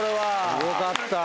すごかった。